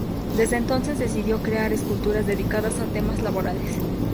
Desde entonces decidió crear esculturas dedicadas a temas laborales.